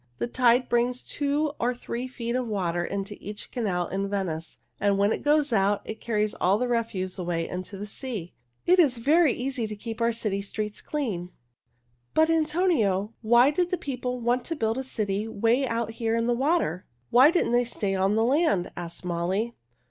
The tide brings two or three feet of water into every canal in Venice, and when it goes out it carries all the refuse away into the sea. It is very easy to keep our city streets clean." "But, Antonio, why did the people want to build a city 'way out here in the water? Why didn't they stay on the land?" asked Molly.